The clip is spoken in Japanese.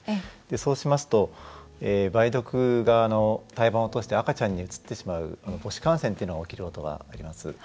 そうしますと、梅毒が赤ちゃんにうつってしまう母子感染が起きることがあります。